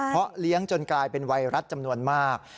เพราะเลี้ยงจนกลายเป็นไวรัสจำนวนมาก